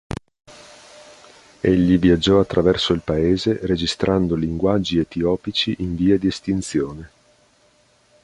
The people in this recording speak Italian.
Egli viaggiò attraverso il paese, registrando linguaggi etiopici in via di estinzione.